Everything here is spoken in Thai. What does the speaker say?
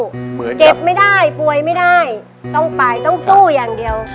เหมือนเจ็บไม่ได้ป่วยไม่ได้ต้องไปต้องสู้อย่างเดียวค่ะ